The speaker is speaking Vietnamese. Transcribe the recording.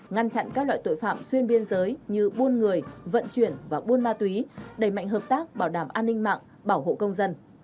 ngăn chặn các loại tội phạm xuyên biên giới như buôn người vận chuyển và buôn ma túy đẩy mạnh hợp tác bảo đảm an ninh mạng bảo hộ công dân